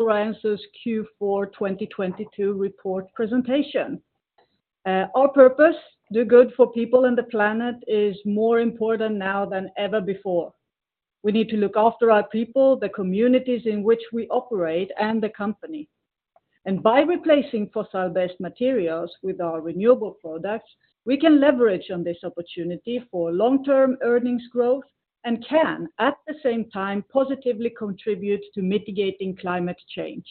Stora Enso Q4 2022 report presentation. Our purpose, do good for people and the planet, is more important now than ever before. We need to look after our people, the communities in which we operate, and the company. By replacing fossil-based materials with our renewable products, we can leverage on this opportunity for long-term earnings growth and can, at the same time, positively contribute to mitigating climate change.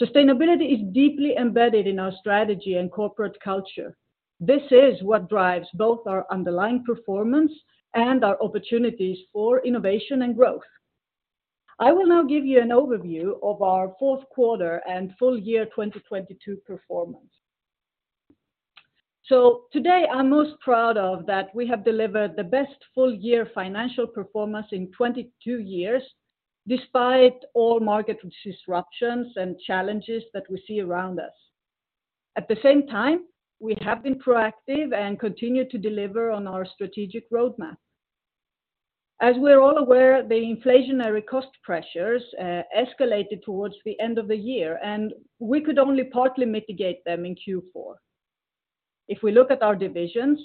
Sustainability is deeply embedded in our strategy and corporate culture. This is what drives both our underlying performance and our opportunities for innovation and growth. I will now give you an overview of our fourth quarter and full year 2022 performance. Today, I'm most proud of that we have delivered the best full year financial performance in 22 years, despite all market disruptions and challenges that we see around us. At the same time, we have been proactive and continue to deliver on our strategic roadmap. As we're all aware, the inflationary cost pressures escalated towards the end of the year. We could only partly mitigate them in Q4. If we look at our divisions,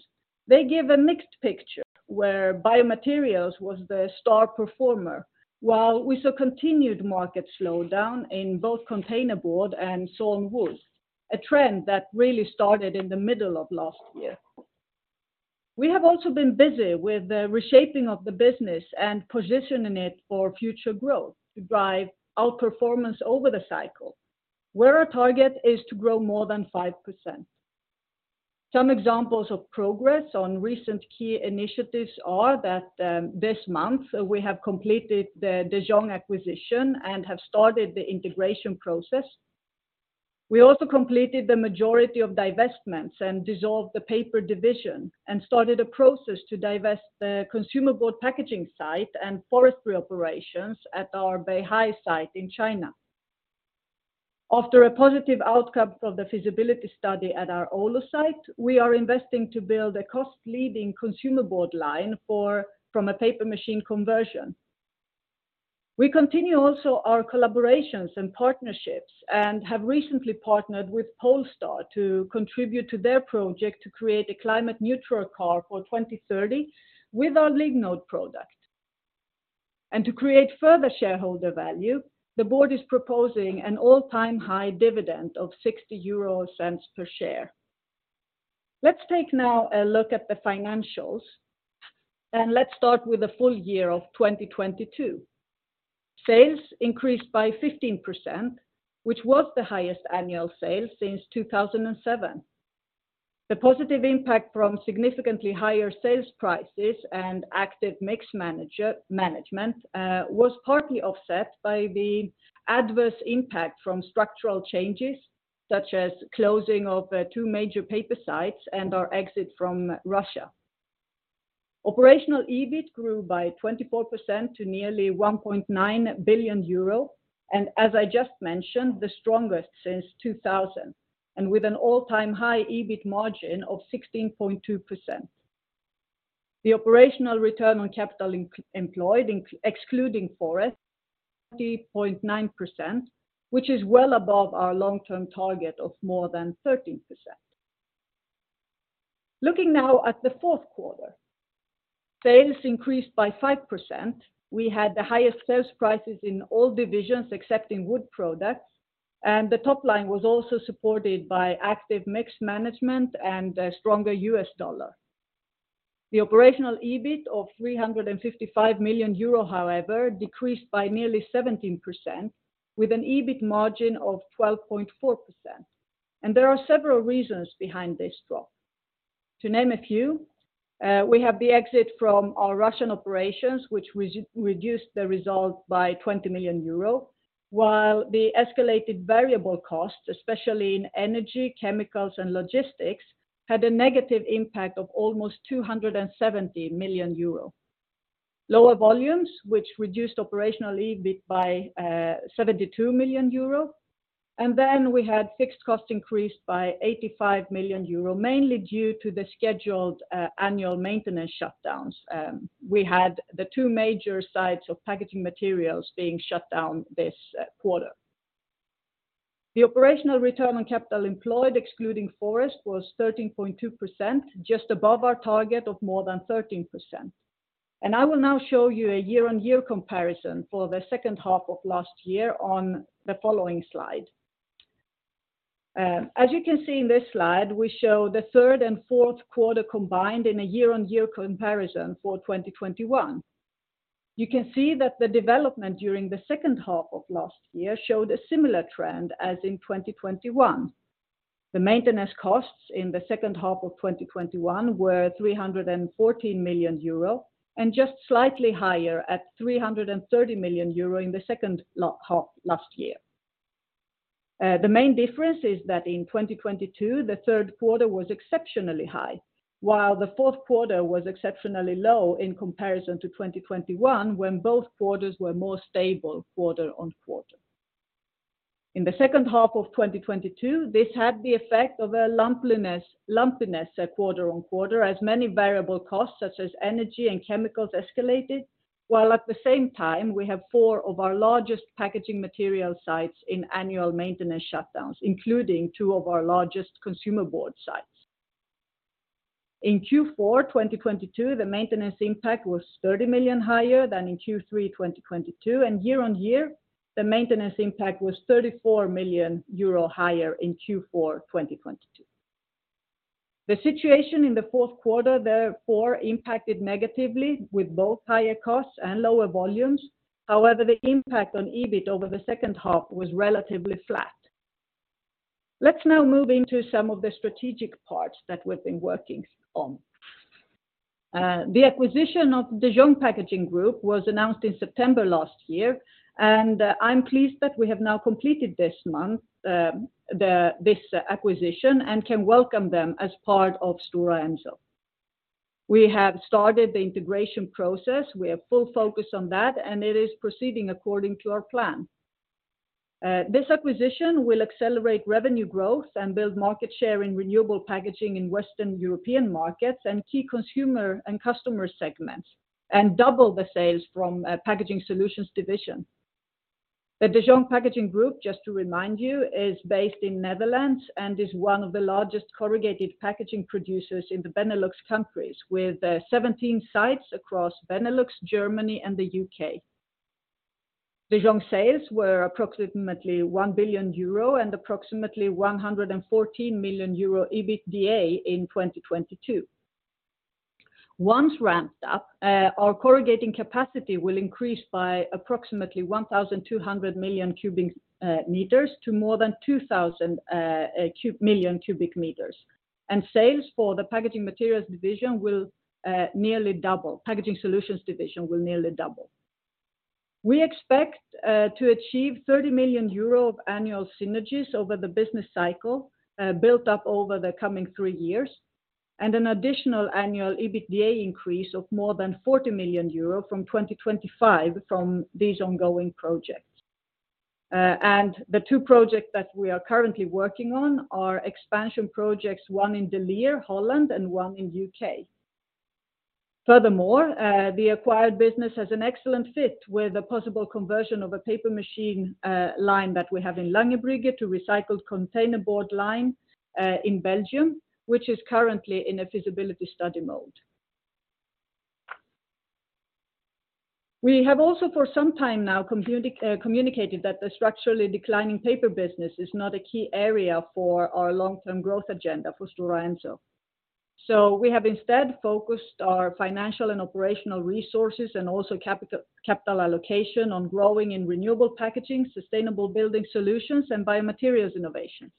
they give a mixed picture where Biomaterials was the star performer, while we saw continued market slowdown in both containerboard and sawn wood, a trend that really started in the middle of last year. We have also been busy with the reshaping of the business and positioning it for future growth to drive outperformance over the cycle, where our target is to grow more than 5%. Some examples of progress on recent key initiatives are that this month we have completed the De Jong acquisition and have started the integration process. We also completed the majority of divestments and dissolved the Paper division and started a process to divest the consumer board packaging site and Forestry operations at our Beihai site in China. After a positive outcome of the feasibility study at our Oulu site, we are investing to build a cost leading consumer board line from a paper machine conversion. We continue also our collaborations and partnerships and have recently partnered with Polestar to contribute to their project to create a climate neutral car for 2030 with our Lignode product. To create further shareholder value, the board is proposing an all-time high dividend of 0.60 per share. Let's take now a look at the financials, Let's start with the full year of 2022. Sales increased by 15%, which was the highest annual sales since 2007. The positive impact from significantly higher sales prices and active mix management, was partly offset by the adverse impact from structural changes, such as closing of, two major paper sites and our exit from Russia. Operational EBIT grew by 24% to nearly 1.9 billion euro and as I just mentioned, the strongest since 2000, and with an all-time high EBIT margin of 16.2%. The Operational Return on Capital Employed, excluding forest, 30.9%, which is well above our long-term target of more than 13%. Looking now at the fourth quarter, sales increased by 5%. We had the highest sales prices in all divisions except in Wood Products, and the top line was also supported by active mix management and a stronger U.S. dollar. The operational EBIT of 355 million euro, however, decreased by nearly 17% with an EBIT margin of 12.4%. There are several reasons behind this drop. To name a few, we have the exit from our Russian operations, which reduced the result by 20 million euro, while the escalated variable costs, especially in energy, chemicals and logistics, had a negative impact of almost 270 million euro. Lower volumes, which reduced operational EBIT by 72 million euro. We had fixed costs increased by 85 million euro, mainly due to the scheduled annual maintenance shutdowns. We had the two major sites of Packaging Materials being shut down this quarter. The operational return on capital employed excluding forest was 13.2%, just above our target of more than 13%. I will now show you a year-on-year comparison for the second half of last year on the following slide. As you can see in this slide, we show the third and fourth quarter combined in a year-on-year comparison for 2021. You can see that the development during the second half of last year showed a similar trend as in 2021. The maintenance costs in the second half of 2021 were 314 million euro and just slightly higher at 330 million euro in the second half last year. The main difference is that in 2022, the third quarter was exceptionally high, while the fourth quarter was exceptionally low in comparison to 2021, when both quarters were more stable quarter-on-quarter. In the second half of 2022, this had the effect of a lumpiness quarter-on-quarter, as many variable costs, such as energy and chemicals escalated, while at the same time, we have four of our largest packaging material sites in annual maintenance shutdowns, including two of our largest consumer board sites. In Q4 2022, the maintenance impact was 30 million higher than in Q3 2022, and year-on-year, the maintenance impact was 34 million euro higher in Q4 2022. The situation in the fourth quarter, therefore, impacted negatively with both higher costs and lower volumes. However, the impact on EBIT over the second half was relatively flat. Let's now move into some of the strategic parts that we've been working on. The acquisition of De Jong Packaging Group was announced in September last year, and I'm pleased that we have now completed this month, this acquisition and can welcome them as part of Stora Enso. We have started the integration process. We are full focused on that, and it is proceeding according to our plan. This acquisition will accelerate revenue growth and build market share in renewable packaging in Western European markets and key consumer and customer segments and double the sales from Packaging Solutions division. The De Jong Packaging Group, just to remind you, is based in Netherlands and is one of the largest corrugated packaging producers in the Benelux countries, with 17 sites across Benelux, Germany, and the U.K. De Jong sales were approximately 1 billion euro and approximately 114 million euro EBITDA in 2022. Once ramped up, our corrugating capacity will increase by approximately 1,200 million cubic meters to more than 2,000 million cubic meters. Sales for the Packaging Materials division will nearly double. Packaging Solutions division will nearly double. We expect to achieve 30 million euro of annual synergies over the business cycle, built up over the coming three years, and an additional annual EBITDA increase of more than 40 million euros from 2025 from these ongoing projects. The two projects that we are currently working on are expansion projects, one in De Lier, Holland, and one in U.K. Furthermore, the acquired business has an excellent fit with a possible conversion of a paper machine line that we have in Langerbrugge to recycled containerboard line in Belgium, which is currently in a feasibility study mode. We have also for some time now communicated that the structurally declining Paper business is not a key area for our long-term growth agenda for Stora Enso. We have instead focused our financial and operational resources and also capital allocation on growing in renewable packaging, sustainable Building Solutions, and Biomaterials innovations.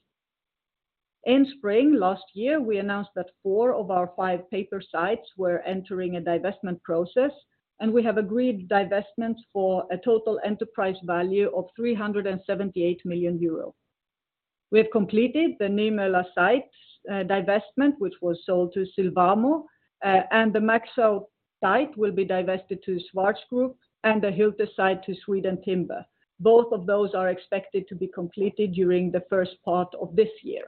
In spring last year, we announced that four of our five paper sites were entering a divestment process. We have agreed divestments for a total enterprise value of 378 million euros. We have completed the Nymölla site divestment, which was sold to Sylvamo, and the Maxau site will be divested to Schwarz Group and the Hylte site to Sweden Timber. Both of those are expected to be completed during the first part of this year.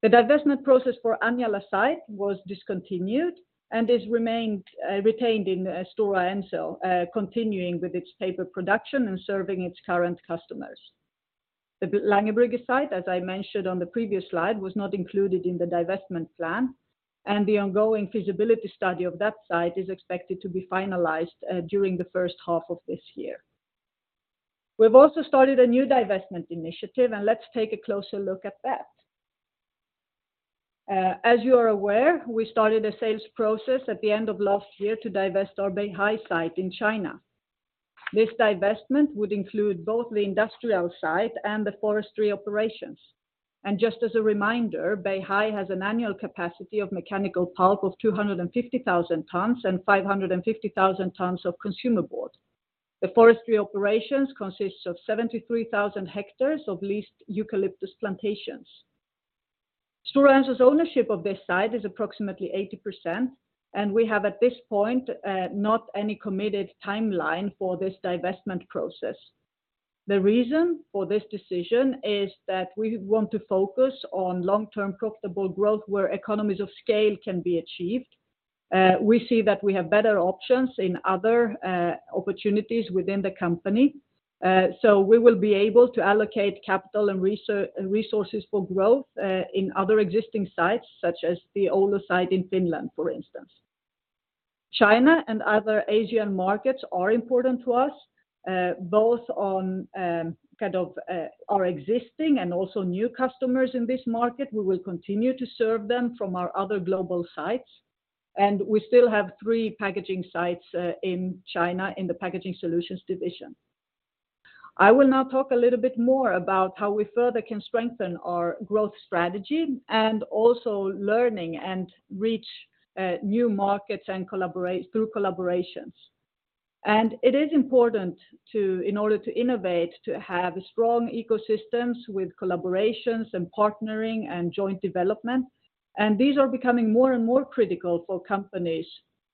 The divestment process for Anjala site was discontinued and is remained retained in Stora Enso, continuing with its paper production and serving its current customers. The Langerbrugge site, as I mentioned on the previous slide, was not included in the divestment plan, and the ongoing feasibility study of that site is expected to be finalized during the first half of this year. We've also started a new divestment initiative, and let's take a closer look at that. As you are aware, we started a sales process at the end of last year to divest our Beihai site in China. This divestment would include both the industrial site and the Forestry operations. Just as a reminder, Beihai has an annual capacity of mechanical pulp of 250,000 tons and 550,000 tons of consumer board. The Forestry operations consists of 73,000 hectares of leased eucalyptus plantations. Stora Enso's ownership of this site is approximately 80%, and we have at this point, not any committed timeline for this divestment process. The reason for this decision is that we want to focus on long-term profitable growth where economies of scale can be achieved. We see that we have better options in other opportunities within the company. We will be able to allocate capital and resources for growth in other existing sites, such as the Oulu site in Finland, for instance. China and other Asian markets are important to us, both on, kind of, our existing and also new customers in this market. We will continue to serve them from our other global sites, and we still have three packaging sites in China in the Packaging Solutions division. I will now talk a little bit more about how we further can strengthen our growth strategy and also learning and reach new markets and collaborate through collaborations. It is important to, in order to innovate, to have strong ecosystems with collaborations and partnering and joint development. These are becoming more and more critical for companies.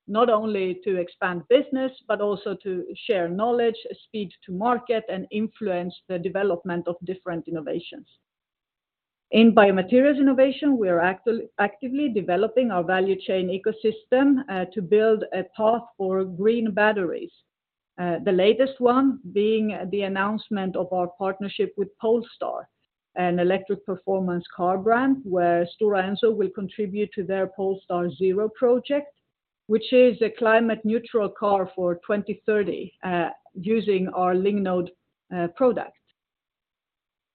Not only to expand business, but also to share knowledge, speed to market, and influence the development of different innovations. In Biomaterials innovation, we are actively developing our value chain ecosystem to build a path for green batteries. The latest one being the announcement of our partnership with Polestar, an electric performance car brand, where Stora Enso will contribute to their Polestar 0 project, which is a climate neutral car for 2030, using our Lignode product.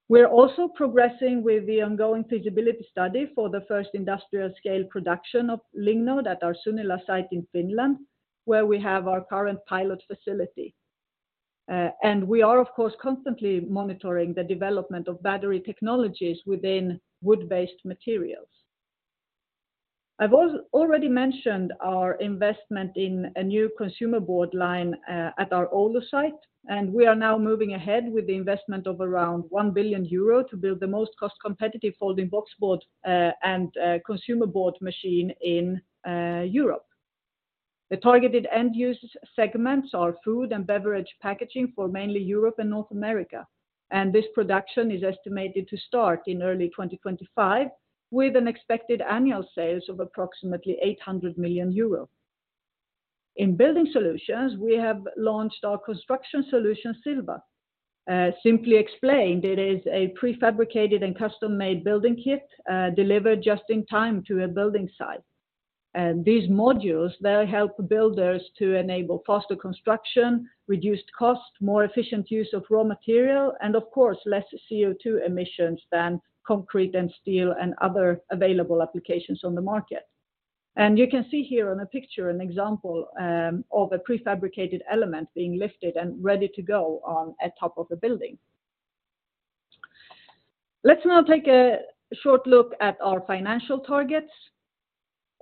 We're also progressing with the ongoing feasibility study for the first industrial scale production of Lignode at our Sunila site in Finland, where we have our current pilot facility. We are, of course, constantly monitoring the development of battery technologies within wood-based materials. I've already mentioned our investment in a new consumer board line at our Oulu site, and we are now moving ahead with the investment of around 1 billion euro to build the most cost competitive folding boxboard and consumer board machine in Europe. The targeted end user segments are food and beverage packaging for mainly Europe and North America. This production is estimated to start in early 2025, with an expected annual sales of approximately 800 million euro. In building solutions, we have launched our construction solution, Sylva. Simply explained, it is a prefabricated and custom-made building kit, delivered just in time to a building site. These modules, they help builders to enable faster construction, reduced cost, more efficient use of raw material, and of course, less CO2 emissions than concrete and steel and other available applications on the market. You can see here on a picture an example of a prefabricated element being lifted and ready to go on a top of a building. Let's now take a short look at our financial targets.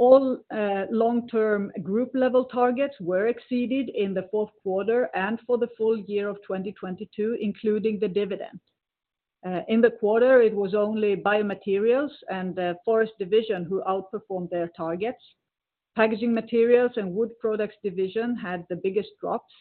All long-term group level targets were exceeded in the fourth quarter and for the full year of 2022, including the dividend. In the quarter, it was only Biomaterials and the Forest division who outperformed their targets. Packaging Materials and Wood Products division had the biggest drops.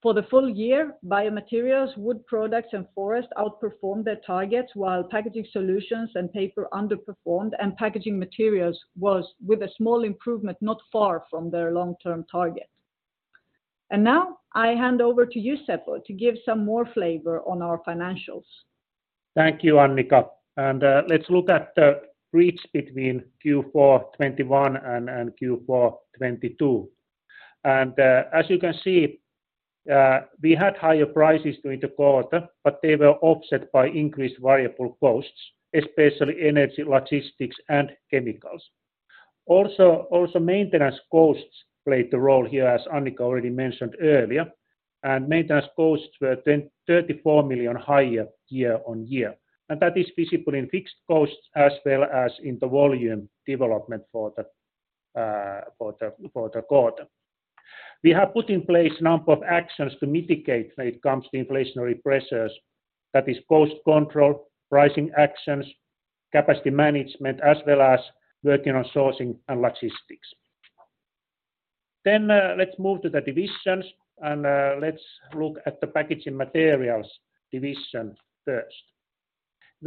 For the full year, Biomaterials, Wood Products, and forest outperformed their targets, while Packaging Solutions and Paper underperformed, and Packaging Materials was, with a small improvement, not far from their long-term target. Now I hand over to you, Seppo, to give some more flavor on our financials.. Thank you, Annica. Let's look at the reach between Q4 2021 and Q4 2022. As you can see, we had higher prices during the quarter, but they were offset by increased variable costs, especially energy, logistics, and chemicals. Also, maintenance costs played a role here, as Annica already mentioned earlier, and maintenance costs were then 34 million higher year-on-year. That is visible in fixed costs as well as in the volume development for the quarter. We have put in place a number of actions to mitigate when it comes to inflationary pressures, that is cost control, pricing actions, capacity management, as well as working on sourcing and logistics. Let's move to the divisions, let's look at the Packaging Materials division first.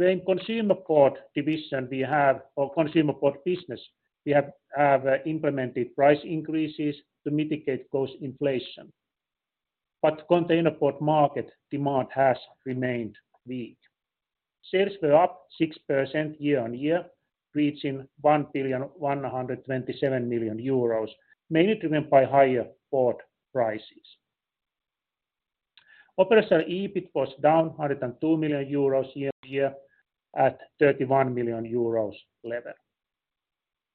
In Consumer Board business, we have implemented price increases to mitigate cost inflation. Container Board market demand has remained weak. Sales were up 6% year-on-year, reaching 1,127 million euros, mainly driven by higher board prices. Operational EBIT was down 102 million euros year-on-year at 31 million euros level.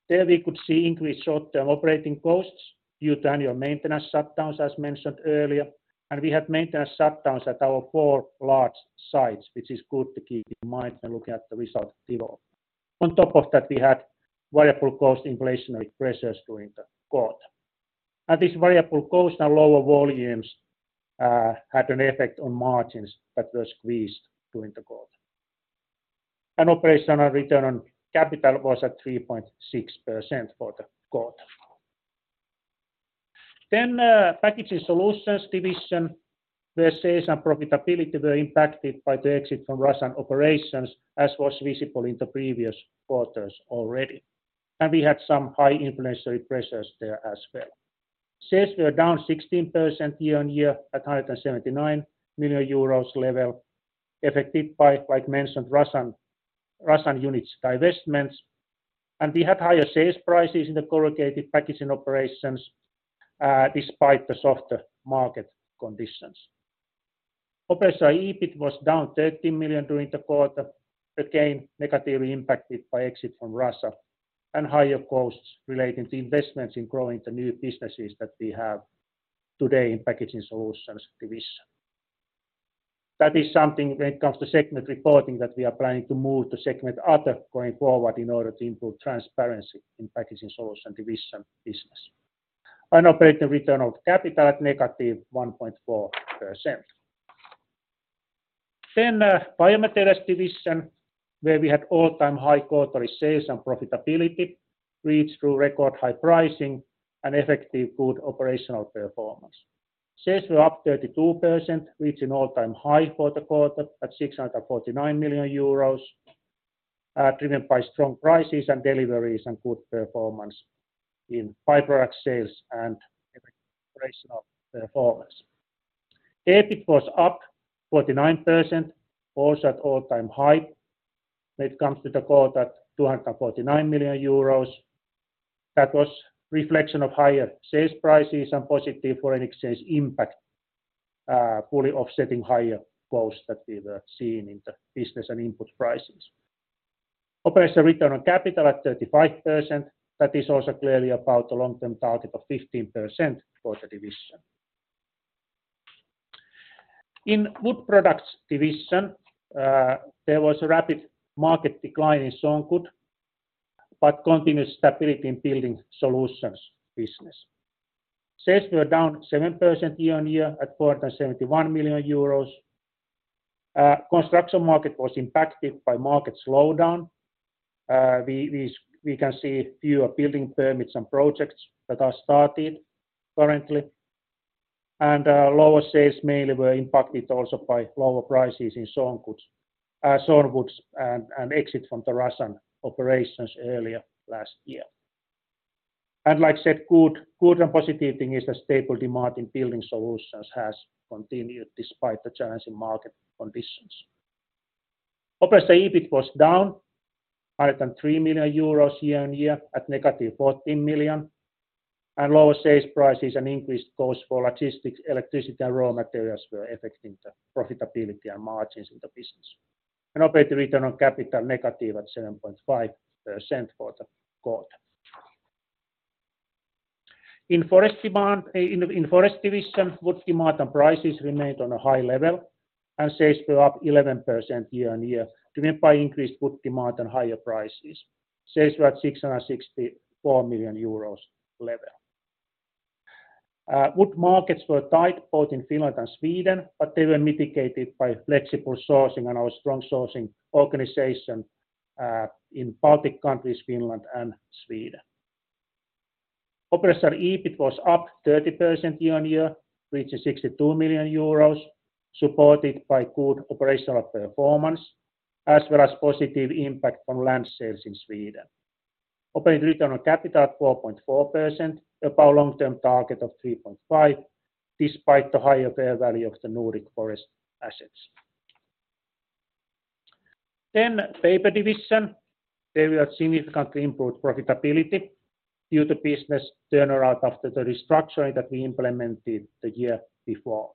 There we could see increased short-term operating costs due to annual maintenance shutdowns, as mentioned earlier, and we had maintenance shutdowns at our four large sites, which is good to keep in mind when looking at the result development. On top of that, we had variable cost inflationary pressures during the quarter. These variable costs and lower volumes had an effect on margins that were squeezed during the quarter. Operational return on capital was at 3.6% for the quarter. Packaging Solutions division, where sales and profitability were impacted by the exit from Russian operations, as was visible in the previous quarters already. We had some high inflationary pressures there as well. Sales were down 16% year-on-year at 179 million euros level, affected by, like mentioned, Russian units divestments. We had higher sales prices in the corrugated packaging operations, despite the softer market conditions. Operational EBIT was down 13 million during the quarter, again, negatively impacted by exit from Russia and higher costs relating to investments in growing the new businesses that we have today in Packaging Solutions division. That is something when it comes to segment reporting that we are planning to move to segment other going forward in order to improve transparency in Packaging Solutions division business. Operational return on capital at negative 1.4%. Biomaterials division, where we had all-time high quarterly sales and profitability reached through record high pricing and effective good operational performance. Sales were up 32%, reaching all-time high for the quarter at 649 million euros, driven by strong prices and deliveries and good performance in fiber sales and operational performance. EBIT was up 49%, also at all-time high when it comes to the quarter at 249 million euros. That was reflection of higher sales prices and positive foreign exchange impact, fully offsetting higher costs that we were seeing in the business and input prices. Operating return on capital at 35%, that is also clearly above the long-term target of 15% for the division. In Wood Products division, there was a rapid market decline in sawn goods, but continuous stability in building solutions business. Sales were down 7% year-on-year at 471 million euros. Construction market was impacted by market slowdown. We can see fewer building permits and projects that are started currently. Lower sales mainly were impacted also by lower prices in sawn goods, sawn wood and exit from the Russian operations earlier last year. Like I said, good and positive thing is the stable demand in building solutions has continued despite the challenging market conditions. Operating EBIT was down 103 million euros year-on-year at negative 14 million, and lower sales prices and increased costs for logistics, electricity, and raw materials were affecting the profitability and margins in the business. Operating return on capital negative at 7.5% for the quarter. In Forest division, wood demand and prices remained on a high level, and sales were up 11% year-on-year, driven by increased wood demand and higher prices. Sales were at 664 million euros level. Wood markets were tight both in Finland and Sweden, but they were mitigated by flexible sourcing and our strong sourcing organization in Baltic countries, Finland and Sweden. Operating EBIT was up 30% year-on-year, reaching 62 million euros, supported by good operational performance as well as positive impact from land sales in Sweden. Operating return on capital at 4.4%, above long-term target of 3.5%, despite the higher fair value of the Nordic Forest assets. Paper Division, they will significantly improve profitability due to business turnaround after the restructuring that we implemented the year before.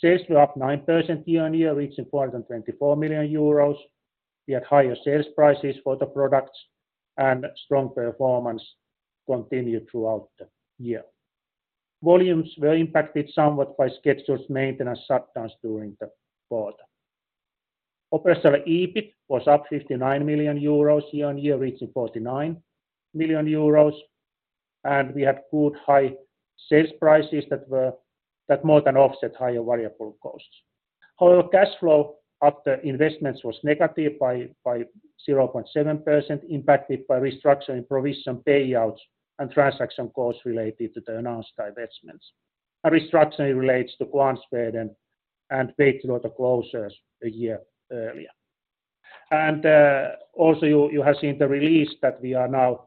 Sales were up 9% year-on-year, reaching 424 million euros. We had higher sales prices for the products, strong performance continued throughout the year. Volumes were impacted somewhat by scheduled maintenance shutdowns during the quarter. Operating EBIT was up 59 million euros year-on-year, reaching 49 million euros, we had good high sales prices that more than offset higher variable costs. However, cash flow after investments was negative by 0.7%, impacted by restructuring provision payouts and transaction costs related to the announced divestments. Restructuring relates to Kvarnsveden and Veitsiluoto closures a year earlier. Also you have seen the release that we are now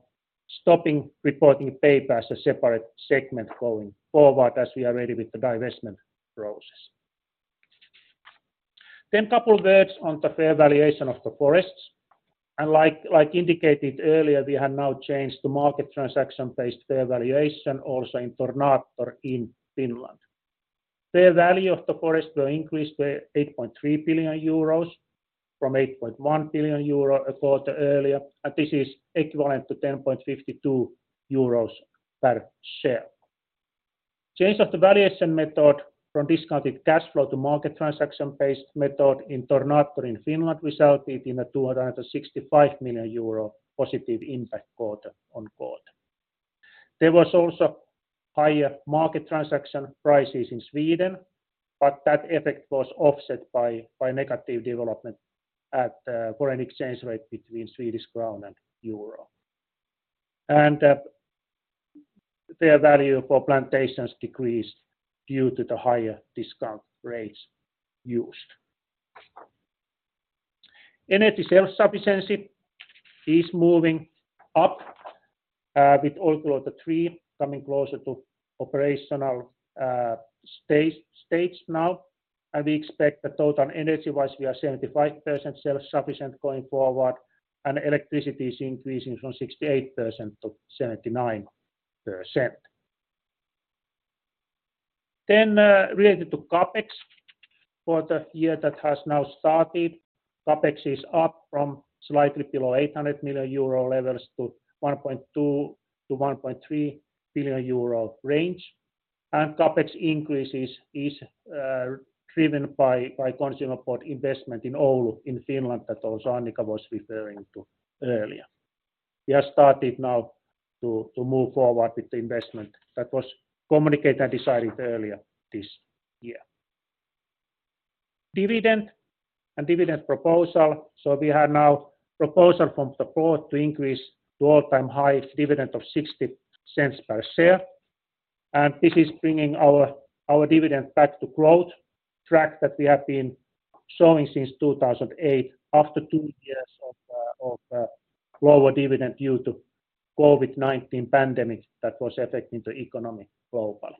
stopping reporting paper as a separate segment going forward as we are ready with the divestment process. Couple words on the fair valuation of the forests. Like indicated earlier, we have now changed to market transaction-based fair valuation also in Tornator in Finland. Fair value of the forests were increased by 8.3 billion euros from 8.0 billion euro a quarter earlier, and this is equivalent to 10.52 euros per share. Change of the valuation method from discounted cash flow to market transaction-based method in Tornator in Finland resulted in a 265 million euro positive impact quarter-on-quarter. There was also higher market transaction prices in Sweden, but that effect was offset by negative development at foreign exchange rate between Swedish crown and euro. Fair value for plantations decreased due to the higher discount rates used. Energy self-sufficiency is moving up with Olkiluoto Three coming closer to operational stage now, and we expect that total energy-wise, we are 75% self-sufficient going forward, and electricity is increasing from 68% to 79%. Related to CapEx for the year that has now started, CapEx is up from slightly below 800 million euro levels to 1.2 billion-1.3 billion euro range. CapEx increases is driven by consumer board investment in Oulu in Finland that also Annica was referring to earlier. We have started now to move forward with the investment that was communicated and decided earlier this year. Dividend and dividend proposal. We have now proposal from the board to increase to all-time highest dividend of 0.60 per share, and this is bringing our dividend back to growth track that we have been showing since 2008 after two years of lower dividend due to COVID-19 pandemic that was affecting the economy globally.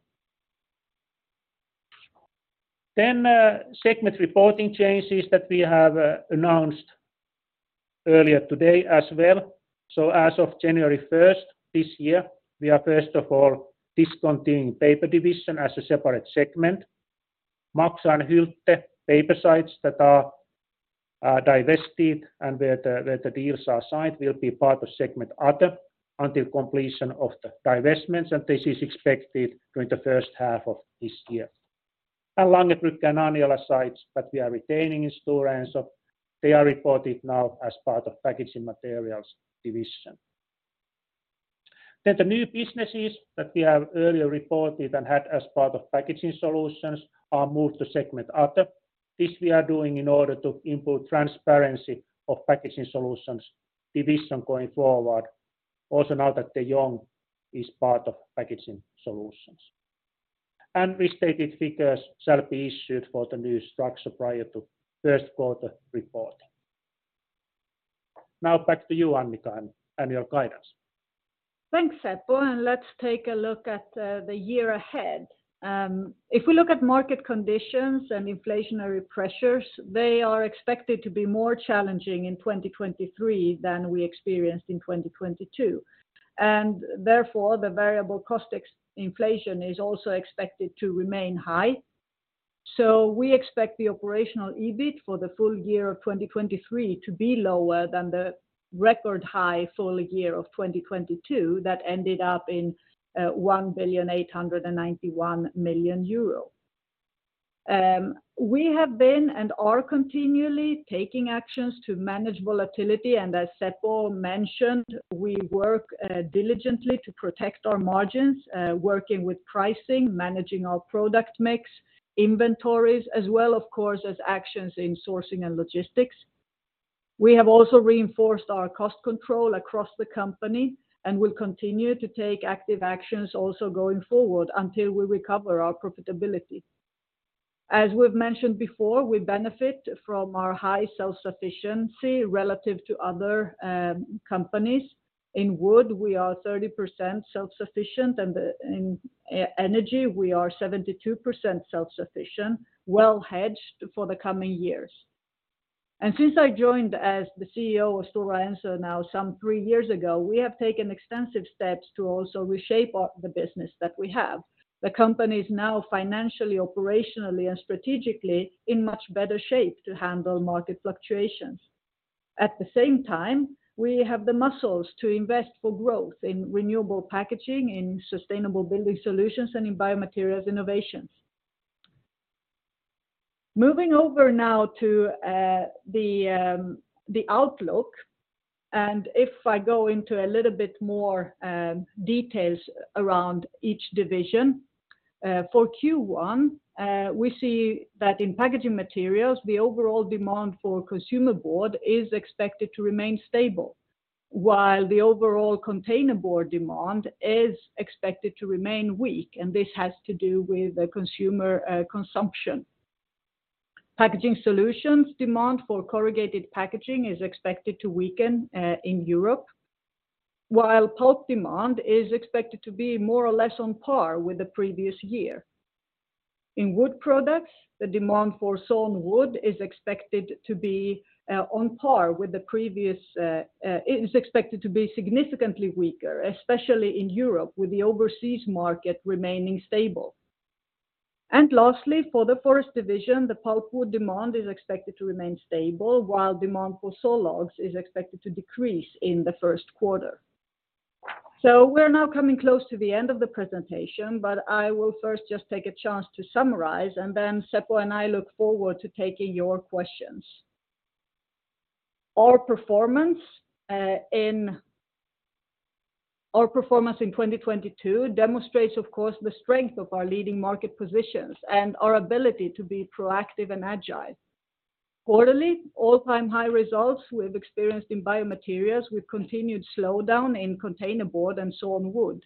Segment reporting changes that we have announced earlier today as well. As of January 1st this year, we are first of all discontinuing Paper division as a separate segment. Mäntsälä and Hylte paper sites that are divested and where the deals are signed will be part of segment other until completion of the divestments, and this is expected during the first half of this year. Langerbrugge and Anjala sites that we are retaining in Stora Enso, they are reported now as part of Packaging Materials division. The new businesses that we have earlier reported and had as part of Packaging Solutions are moved to segment other. This we are doing in order to input transparency of Packaging Solutions division going forward, also now that De Jong is part of Packaging Solutions. Restated figures shall be issued for the new structure prior to first quarter report. Back to you, Annica, and your guidance. Thanks, Seppo. Let's take a look at the year ahead. If we look at market conditions and inflationary pressures, they are expected to be more challenging in 2023 than we experienced in 2022. Therefore, the variable cost ex-inflation is also expected to remain high. We expect the operational EBIT for the full year of 2023 to be lower than the record high full year of 2022 that ended up in 1,891 million euro. We have been and are continually taking actions to manage volatility, and as Seppo mentioned, we work diligently to protect our margins, working with pricing, managing our product mix, inventories, as well, of course, as actions in sourcing and logistics. We have also reinforced our cost control across the company and will continue to take active actions also going forward until we recover our profitability. As we've mentioned before, we benefit from our high self-sufficiency relative to other companies. In wood, we are 30% self-sufficient, in e-energy, we are 72% self-sufficient, well-hedged for the coming years. Since I joined as the CEO of Stora Enso now some three years ago, we have taken extensive steps to also reshape the business that we have. The company is now financially, operationally, and strategically in much better shape to handle market fluctuations. At the same time, we have the muscles to invest for growth in renewable packaging, in sustainable building solutions, and in Biomaterials innovations. Moving over now to the outlook. If I go into a little bit more details around each division for Q1, we see that in Packaging Materials, the overall demand for consumer board is expected to remain stable, while the overall containerboard demand is expected to remain weak. This has to do with the consumer consumption. Packaging Solutions demand for corrugated packaging is expected to weaken in Europe, while pulp demand is expected to be more or less on par with the previous year. In Wood Products, the demand for sawn wood is expected to be significantly weaker, especially in Europe, with the overseas market remaining stable. Lastly, for the Forest division, the pulpwood demand is expected to remain stable, while demand for sawlogs is expected to decrease in the first quarter. We're now coming close to the end of the presentation, but I will first just take a chance to summarize. Then Seppo and I look forward to taking your questions. Our performance in 2022 demonstrates, of course, the strength of our leading market positions and our ability to be proactive and agile. Quarterly, all-time high results we have experienced in Biomaterials with continued slowdown in containerboard and sawn wood.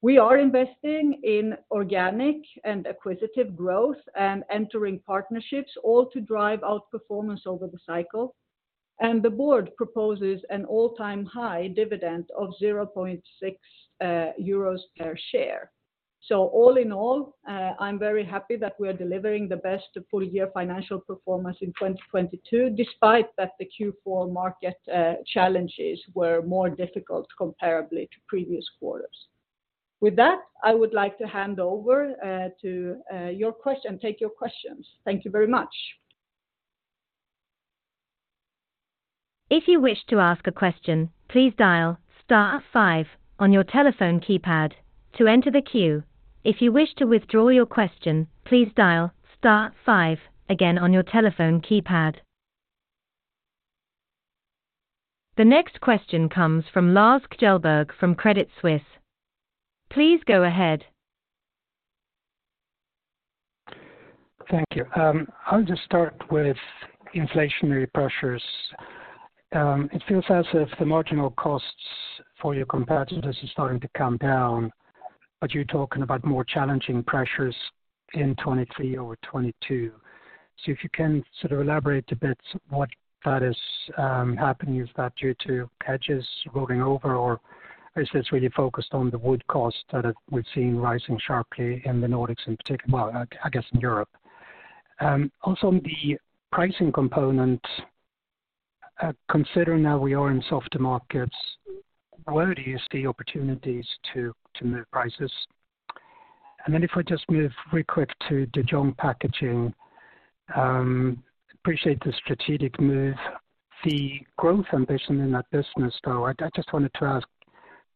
We are investing in organic and acquisitive growth and entering partnerships all to drive outperformance over the cycle. The board proposes an all-time high dividend of 0.6 euros per share. All in all, I'm very happy that we are delivering the best full year financial performance in 2022, despite that the Q4 market challenges were more difficult comparably to previous quarters. With that, I would like to hand over and take your questions. Thank you very much. If you wish to ask a question, please dial star five on your telephone keypad. To enter the queue, if you wish to withdraw your question, please dial star five again on your telephone keypad. The next question comes from Lars Kjellberg from Credit Suisse. Please go ahead. Thank you. I'll just start with inflationary pressures. It feels as if the marginal costs for your competitors is starting to come down, but you're talking about more challenging pressures in 2023 over 2022. If you can sort of elaborate a bit what that is happening. Is that due to hedges rolling over or is this really focused on the wood costs that we're seeing rising sharply in the Nordics in particular in Europe? Also on the pricing component, considering now we are in softer markets, where do you see opportunities to move prices? If we just move very quick to De Jong Packaging, appreciate the strategic move, the growth ambition in that business, though. I just wanted to ask,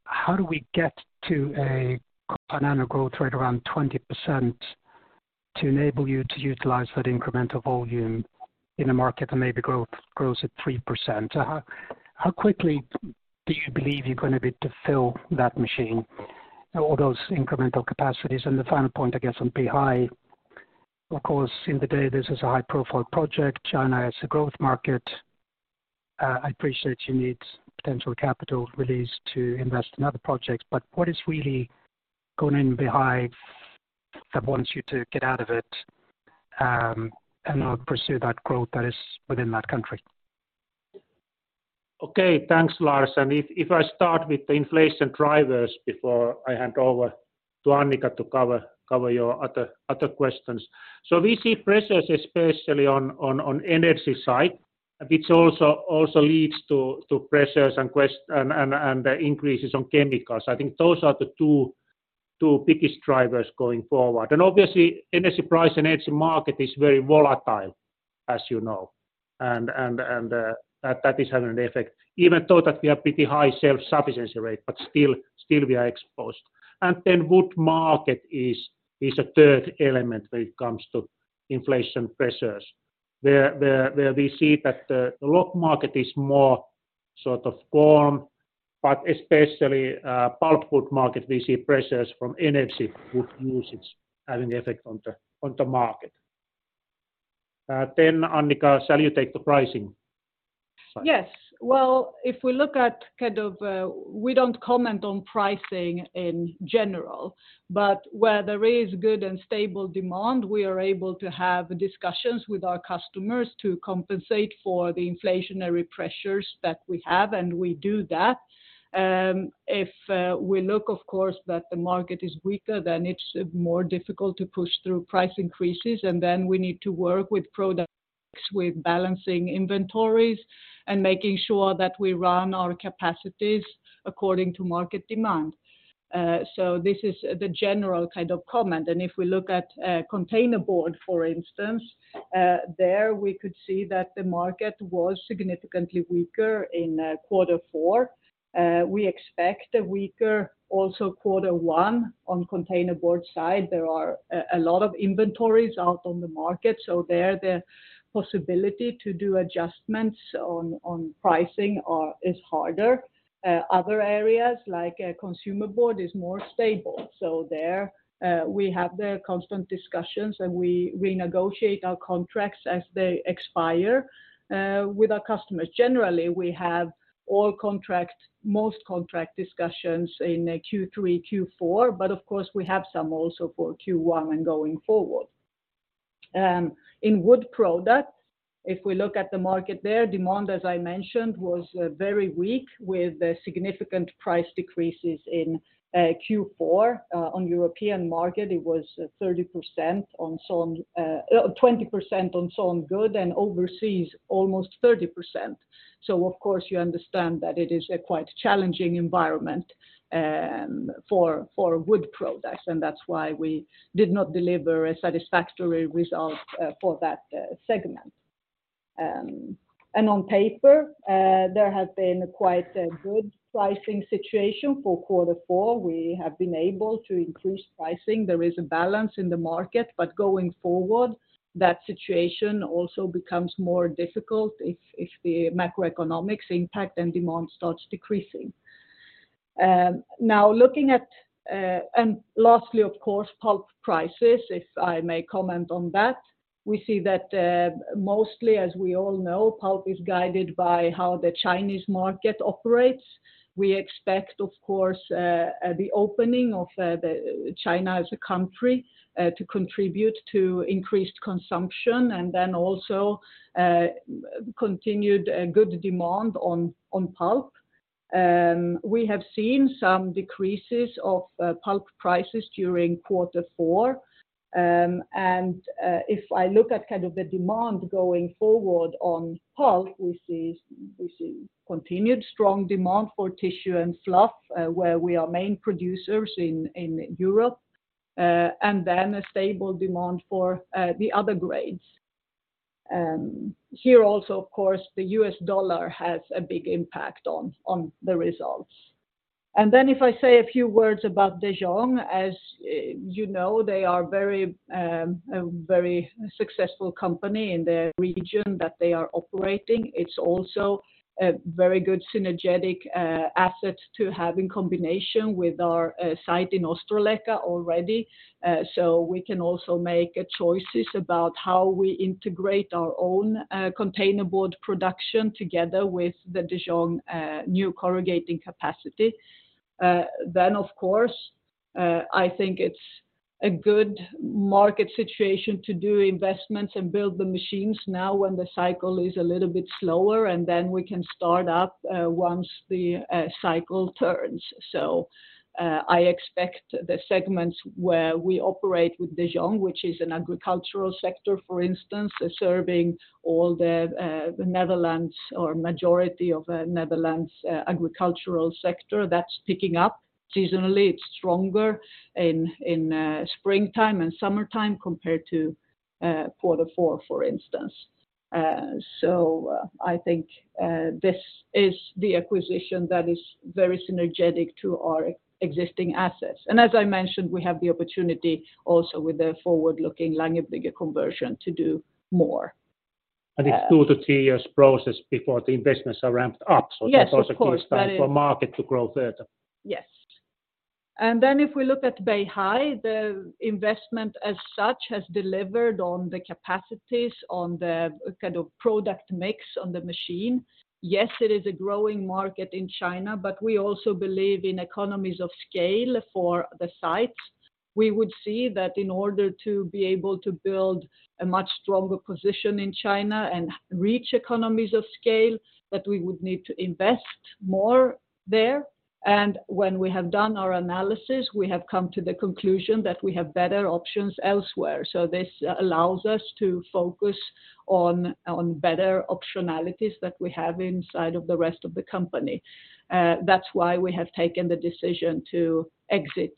how do we get to a compound annual growth rate around 20% to enable you to utilize that incremental volume in a market that maybe growth grows at 3%? How quickly do you believe you're going to be to fill that machine or those incremental capacities? The final point, I guess, on Beihai, of course, in the day, this is a high-profile project. China is a growth market. I appreciate you need potential capital release to invest in other projects, but what is really going in Beihai that wants you to get out of it, and not pursue that growth that is within that country? Okay, thanks, Lars. If I start with the inflation drivers before I hand over to Annica to cover your other questions. We see pressures especially on energy side, which also leads to pressures and increases on chemicals. I think those are the two biggest drivers going forward. Obviously, energy price and energy market is very volatile, as you know, and that is having an effect, even though that we have pretty high energy self-sufficiency rate, but still we are exposed. Then wood market is a third element when it comes to inflation pressures, where we see that the log market is more sort of calm, but especially pulpwood market, we see pressures from energy wood usage having effect on the market. Annica, shall you take the pricing side? Yes. Well, if we look at kind of, We don't comment on pricing in general, but where there is good and stable demand, we are able to have discussions with our customers to compensate for the inflationary pressures that we have, and we do that. If we look of course that the market is weaker, then it's more difficult to push through price increases, and then we need to work with products, with balancing inventories, and making sure that we run our capacities according to market demand. This is the general kind of comment. If we look at containerboard, for instance, there we could see that the market was significantly weaker in quarter four. We expect a weaker also quarter one on containerboard side. There are a lot of inventories out on the market, there the possibility to do adjustments on pricing is harder. Other areas like consumer board is more stable. There, we have the constant discussions, and we renegotiate our contracts as they expire with our customers. Generally, we have most contract discussions in Q3, Q4, of course we have some also for Q1 when going forward. In Wood Products, if we look at the market there, demand, as I mentioned, was very weak with significant price decreases in Q4. On European market, it was 30% on sawn, 20% on sawn goods and overseas almost 30%. Of course, you understand that it is a quite challenging environment, for Wood Products, and that's why we did not deliver a satisfactory result for that segment. On Paper, there has been quite a good pricing situation for quarter four. We have been able to increase pricing. There is a balance in the market, but going forward, that situation also becomes more difficult if the macroeconomics impact and demand starts decreasing. Now looking at, lastly, of course, pulp prices, if I may comment on that, we see that mostly, as we all know, pulp is guided by how the Chinese market operates. We expect, of course, the opening of the China as a country to contribute to increased consumption and then also continued good demand on pulp. We have seen some decreases of pulp prices during quarter four. If I look at kind of the demand going forward on pulp, we see continued strong demand for tissue and fluff, where we are main producers in Europe, and then a stable demand for the other grades. Here also, of course, the U.S. dollar has a big impact on the results. If I say a few words about De Jong, as you know, a very successful company in the region that they are operating. It's also a very good synergetic asset to have in combination with our site in Ostrołęka already. We can also make choices about how we integrate our own containerboard production together with the De Jong new corrugating capacity. Of course, I think it's a good market situation to do investments and build the machines now when the cycle is a little bit slower, and then we can start up once the cycle turns. I expect the segments where we operate with De Jong, which is an agricultural sector, for instance, serving all the Netherlands or majority of Netherlands agricultural sector that's picking up seasonally. It's stronger in springtime and summertime compared to quarter four, for instance. I think this is the acquisition that is very synergetic to our existing assets. As I mentioned, we have the opportunity also with the forward-looking Langerbrugge conversion to do more. It's two to three years process before the investments are ramped up. Yes, of course. it also gives time for market to grow further. Yes. If we look at Beihai, the investment as such has delivered on the capacities, on the kind of product mix on the machine. Yes, it is a growing market in China, but we also believe in economies of scale for the sites. We would see that in order to be able to build a much stronger position in China and reach economies of scale, that we would need to invest more there. When we have done our analysis, we have come to the conclusion that we have better options elsewhere. This allows us to focus on better optionalities that we have inside of the rest of the company. That's why we have taken the decision to exit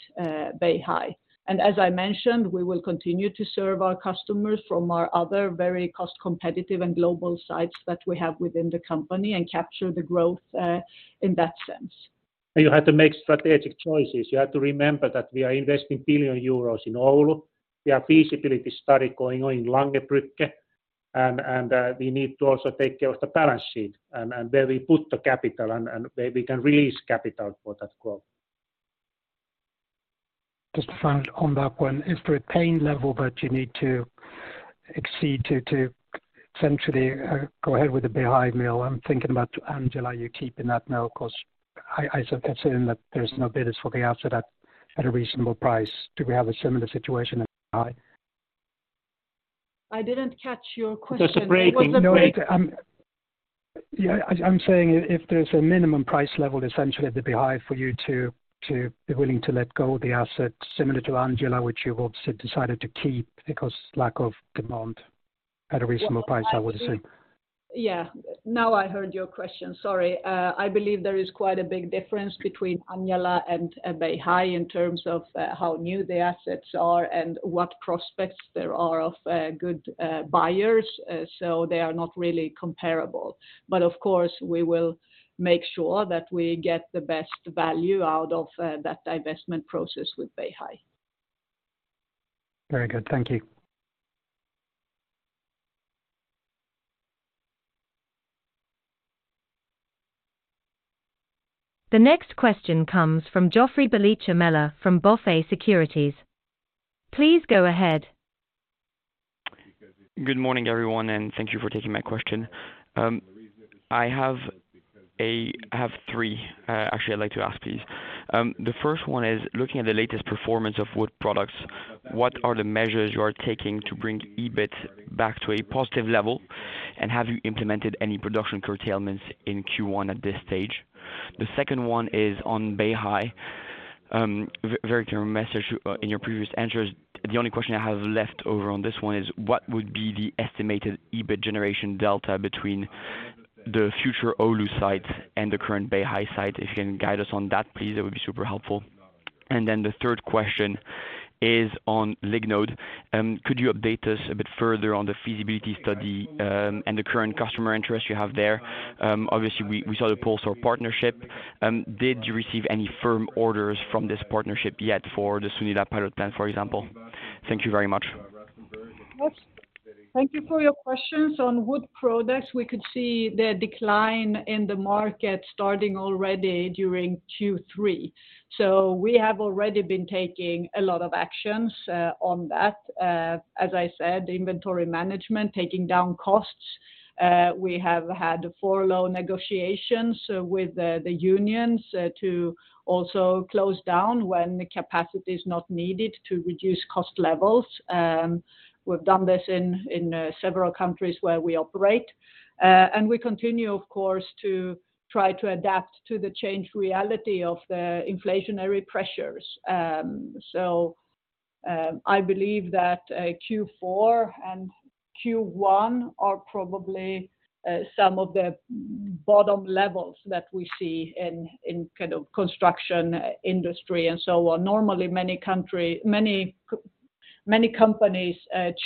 Beihai. As I mentioned, we will continue to serve our customers from our other very cost competitive and global sites that we have within the company and capture the growth in that sense. You have to make strategic choices. You have to remember that we are investing 1 billion euros in Oulu. We have feasibility study going on in Langerbrugge, and we need to also take care of the balance sheet and where we put the capital and where we can release capital for that growth. Just to follow on that one. Is there a pain level that you need to essentially go ahead with the Beihai mill? I'm thinking about Anjala, you keeping that mill because I assume that there's no bidders for the asset at a reasonable price. Do we have a similar situation at Beihai? I didn't catch your question. There's a breaking- No, Yeah, I'm saying if there's a minimum price level, essentially, at the Beihai for you to be willing to let go of the asset similar to Anjala, which you obviously decided to keep because lack of demand at a reasonable price, I would assume. Yeah. Now I heard your question. Sorry. I believe there is quite a big difference between Anjala and Beihai in terms of how new the assets are and what prospects there are of good buyers. They are not really comparable. Of course, we will make sure that we get the best value out of that divestment process with Beihai. Very good. Thank you. The next question comes from Joffrey Bellicha-Meller from BofA Securities. Please go ahead. Good morning, everyone, thank you for taking my question. I have three, actually I'd like to ask, please. The first one is, looking at the latest performance of Wood Products, what are the measures you are taking to bring EBIT back to a positive level? Have you implemented any production curtailments in Q1 at this stage? The second one is on Beihai. Very clear message in your previous answers. The only question I have left over on this one is what would be the estimated EBIT generation delta between the future Oulu site and the current Beihai site? If you can guide us on that, please, that would be super helpful. The third question is on Lignode. Could you update us a bit further on the feasibility study and the current customer interest you have there? Obviously, we saw the Pulpex partnership. Did you receive any firm orders from this partnership yet for the Sunila pilot plant, for example? Thank you very much. Yes. Thank you for your questions. On Wood Products, we could see the decline in the market starting already during Q3. We have already been taking a lot of actions on that. As I said, inventory management, taking down costs. We have had furlough negotiations with the unions to also close down when the capacity is not needed to reduce cost levels. We've done this in several countries where we operate. We continue, of course, to try to adapt to the changed reality of the inflationary pressures. I believe that Q4 and Q1 are probably some of the bottom levels that we see in kind of construction industry and so on. Normally, many companies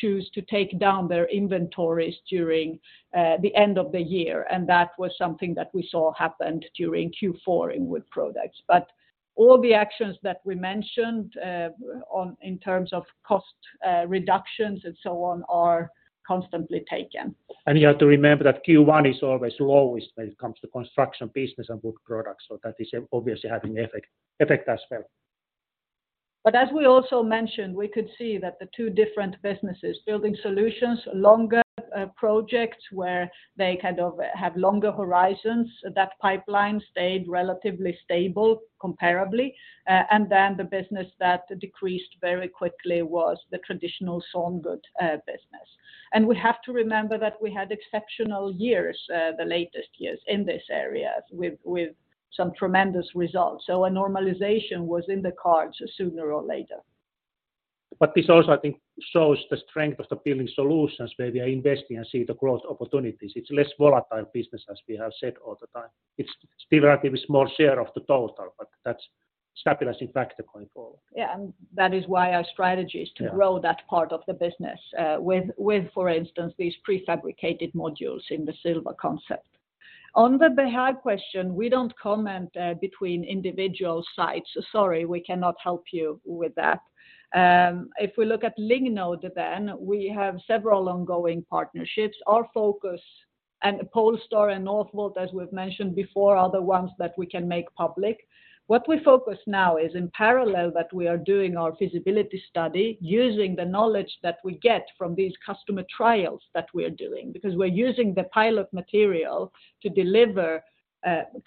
choose to take down their inventories during the end of the year. That was something that we saw happened during Q4 in Wood Products. All the actions that we mentioned, in terms of cost reductions and so on, are constantly taken. You have to remember that Q1 is always lowest when it comes to construction business and Wood Products. That is, obviously having effect as well. As we also mentioned, we could see that the two different businesses, Building Solutions, longer projects where they kind of have longer horizons, that pipeline stayed relatively stable comparably. Then the business that decreased very quickly was the traditional sawn goods business. We have to remember that we had exceptional years the latest years in this area with some tremendous results. A normalization was in the cards sooner or later. This also, I think, shows the strength of the building solutions where we are investing and see the growth opportunities. It's less volatile business, as we have said all the time. It's still relatively small share of the total, but that's stabilizing factor going forward. Yeah. that is why our strategy is to-. Yeah -grow that part of the business, with, for instance, these prefabricated modules in the Sylva concept. On the Beihai question, we don't comment between individual sites. Sorry, we cannot help you with that. If we look at Lignode then, we have several ongoing partnerships. Our focus and Polestar and Northvolt, as we've mentioned before, are the ones that we can make public. What we focus now is in parallel that we are doing our feasibility study using the knowledge that we get from these customer trials that we're doing, because we're using the pilot material to deliver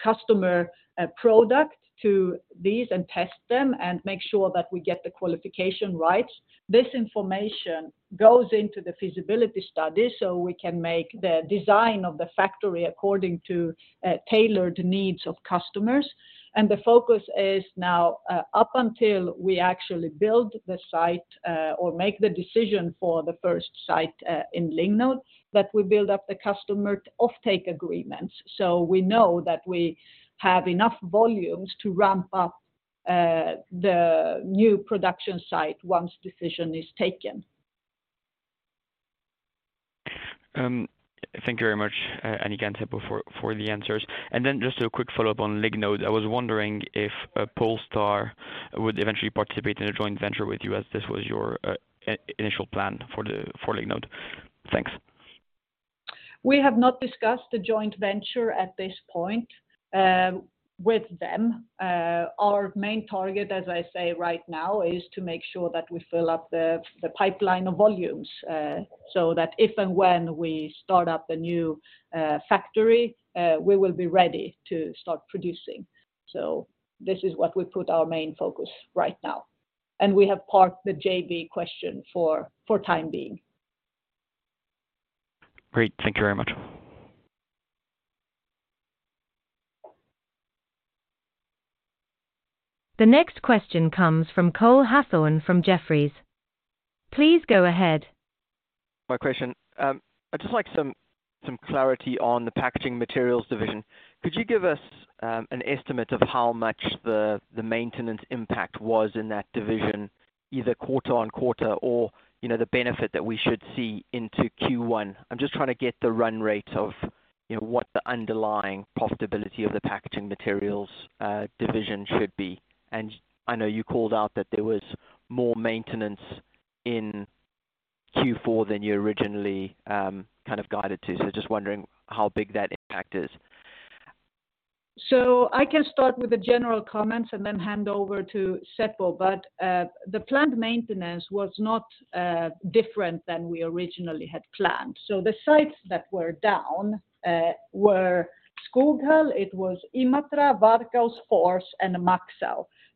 customer product to these and test them and make sure that we get the qualification right. This information goes into the feasibility study so we can make the design of the factory according to tailored needs of customers. The focus is now, up until we actually build the site, or make the decision for the first site, in Lignode, that we build up the customer offtake agreements. We know that we have enough volumes to ramp up the new production site once decision is taken. Thank you very much, Annica and Seppo for the answers. Just a quick follow-up on Lignode. I was wondering if Polestar would eventually participate in a joint venture with you as this was your initial plan for Lignode. Thanks. We have not discussed a Joint Venture at this point with them. Our main target, as I say right now, is to make sure that we fill up the pipeline of volumes so that if and when we start up a new factory, we will be ready to start producing. This is what we put our main focus right now. We have parked the JV question for time being. Great. Thank you very much. The next question comes from Cole Hathorn from Jefferies. Please go ahead. My question, I'd just like some clarity on the Packaging Materials division. Could you give us an estimate of how much the maintenance impact was in that division, either quarter-on-quarter or, you know, the benefit that we should see into Q1? I'm just trying to get the run rate of, you know, what the underlying profitability of the Packaging Materials division should be. I know you called out that there was more maintenance in Q4 than you originally kind of guided to. Just wondering how big that impact is. I can start with the general comments and then hand over to Seppo. The plant maintenance was not different than we originally had planned. The sites that were down were Skoghall, it was Imatra, Varkaus, Fors, and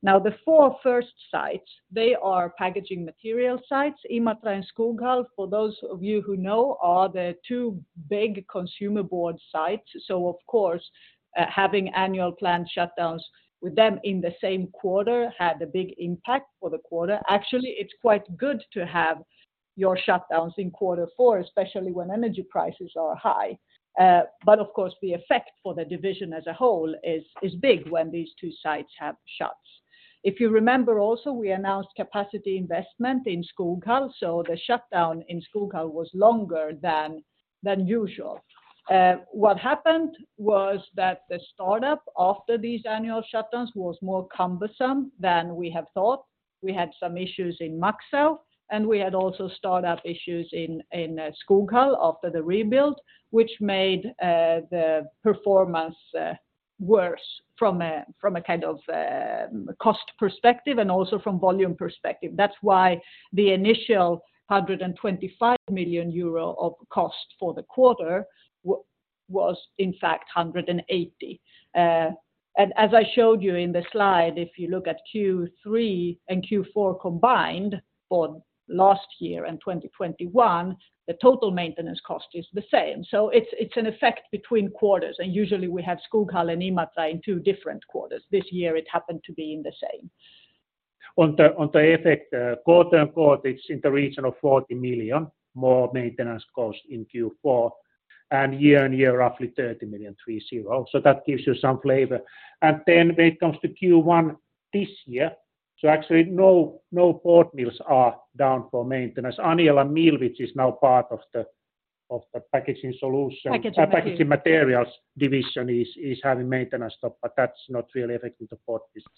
Maxau. The four first sites, they are packaging material sites. Imatra and Skoghall, for those of you who know, are the two big consumer board sites. Of course, having annual plant shutdowns with them in the same quarter had a big impact for the quarter. Actually, it's quite good to have your shutdowns in quarter four, especially when energy prices are high. Of course, the effect for the division as a whole is big when these two sites have shuts. If you remember also, we announced capacity investment in Skoghall, so the shutdown in Skoghall was longer than usual. What happened was that the startup after these annual shutdowns was more cumbersome than we had thought. We had some issues in Maxau, we had also startup issues in Skoghall after the rebuild, which made the performance worse from a kind of cost perspective and also from volume perspective. That's why the initial 125 million euro of cost for the quarter was in fact 180 million. As I showed you in the slide, if you look at Q3 and Q4 combined for last year and 2021, the total maintenance cost is the same. It's an effect between quarters, and usually we have Skoghall and Imatra in two different quarters. This year it happened to be in the same. On the effect, quarter-on-quarter, it's in the region of 40 million more maintenance costs in Q4, and year-on-year roughly 30 million, 30. That gives you some flavor. When it comes to Q1 this year, actually no board mills are down for maintenance. Anjala mill, which is now part of the, of the Packaging Solutions Packaging material... Packaging Materials division is having maintenance stuff, but that's not really affecting the board business.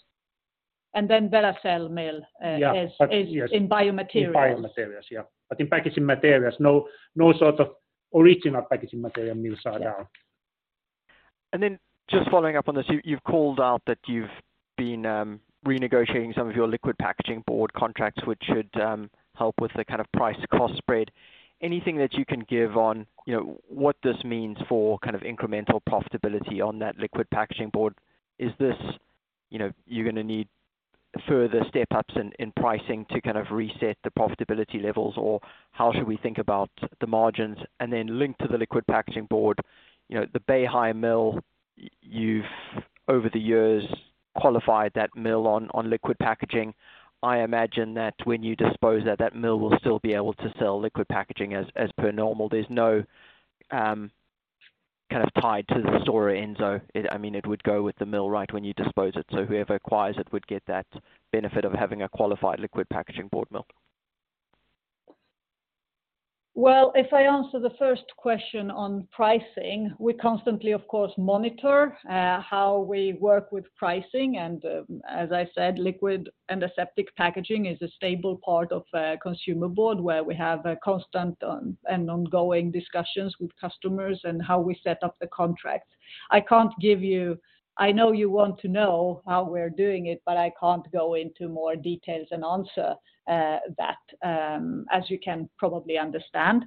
Veitsiluoto mill. Yeah... is in Biomaterials. In Biomaterials, yeah. In Packaging Materials, no sort of original Packaging Materials mills are down. Yeah. Just following up on this, you've called out that you've been renegotiating some of your liquid packaging board contracts, which should help with the kind of price cost spread. Anything that you can give on, you know, what this means for kind of incremental profitability on that liquid packaging board? Is this, you know, you're gonna need further step-ups in pricing to kind of reset the profitability levels, or how should we think about the margins? Linked to the liquid packaging board, you know, the Beihai mill, you've over the years qualified that mill on liquid packaging. I imagine that when you dispose that mill will still be able to sell liquid packaging as per normal. There's no kind of tied to the Stora Enso. It, I mean, it would go with the mill right when you dispose it. Whoever acquires it would get that benefit of having a qualified liquid packaging board mill. If I answer the first question on pricing, we constantly of course monitor how we work with pricing, and as I said, liquid aseptic packaging is a stable part of consumer board, where we have a constant and ongoing discussions with customers and how we set up the contracts. I can't give you. I know you want to know how we're doing it, but I can't go into more details and answer that, as you can probably understand.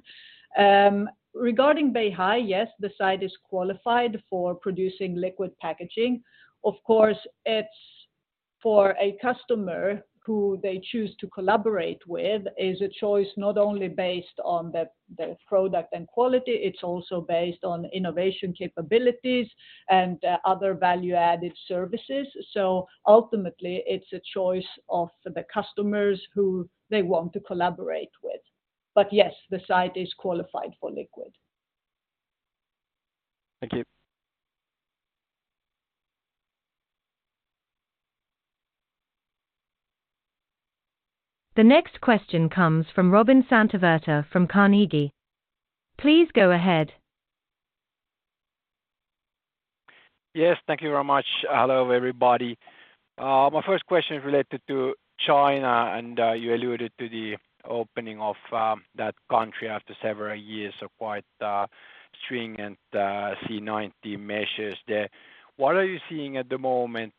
Regarding Beihai, yes, the site is qualified for producing liquid packaging. Of course, it's for a customer who they choose to collaborate with, is a choice not only based on the product and quality, it's also based on innovation capabilities and other value-added services. Ultimately it's a choice of the customers who they want to collaborate with. Yes, the site is qualified for liquid. Thank you. The next question comes from Robin Santavirta from Carnegie. Please go ahead. Yes, thank you very much. Hello, everybody. My first question is related to China. You alluded to the opening of that country after several years of quite stringent COVID-19 measures there. What are you seeing at the moment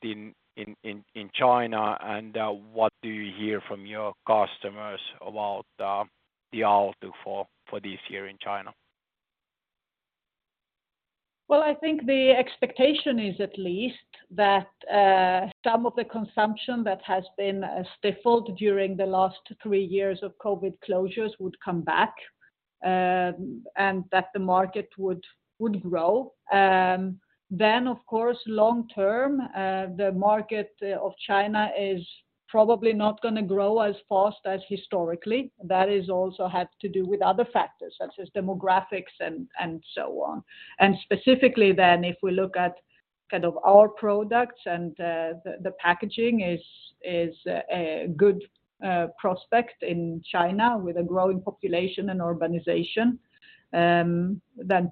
in China and what do you hear from your customers about the outlook for this year in China? Well, I think the expectation is at least that some of the consumption that has been stifled during the last three years of COVID-19 closures would come back, and that the market would grow. Of course, long term, the market of China is probably not going to grow as fast as historically. That is also have to do with other factors such as demographics and so on. Specifically then if we look at kind of our products and the packaging is a good prospect in China with a growing population and urbanization.